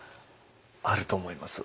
あると思います。